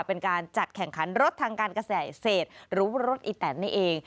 เป็นการจัดแข่งขันรถทางการกระแสเศษรุปรถอีแตนนี้เอง